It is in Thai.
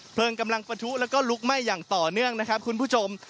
กำลังประทุแล้วก็ลุกไหม้อย่างต่อเนื่องนะครับคุณผู้ชม